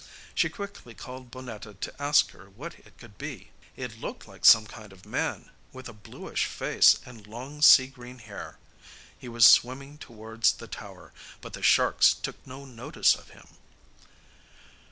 She quickly called Bonnetta to ask her what it could be. It looked like some kind of man, with a bluish face and long sea green hair. He was swimming towards the tower, but the sharks took no notice of him.